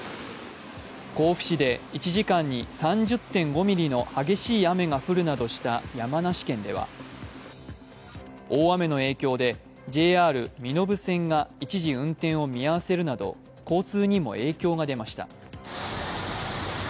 甲府市で１時間に３０．５ミリの激しい雨が降るなどした山梨県では大雨の影響で、ＪＲ身延線が一時、運転を見合わせるなど交通にも影響が出ました。